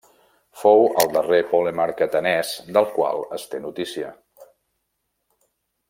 Fou el darrer polemarc atenès del qual es té notícia.